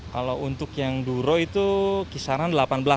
kalau untuk yang duro itu kisaran delapan belas